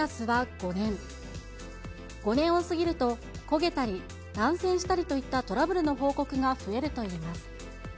５年を過ぎると、焦げたり、断線したりといったトラブルの報告が増えるといいます。